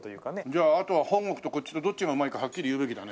じゃああとは本国とこっちのどっちがうまいかはっきり言うべきだね。